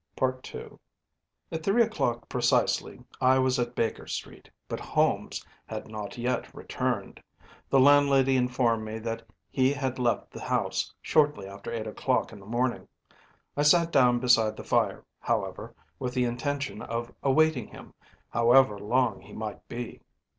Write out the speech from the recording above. ‚ÄĚ II. At three o’clock precisely I was at Baker Street, but Holmes had not yet returned. The landlady informed me that he had left the house shortly after eight o’clock in the morning. I sat down beside the fire, however, with the intention of awaiting him, however long he might be.